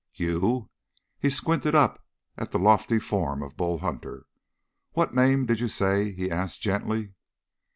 "You?" He squinted up at the lofty form of Bull Hunter. "What name did you say?" he asked gently.